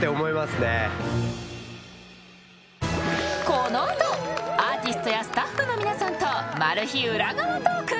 ［この後アーティストやスタッフの皆さんとマル秘裏側トーク］